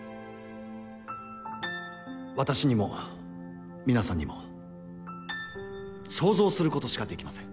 私にも皆さんにも想像することしかできません。